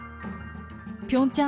ピョンチャン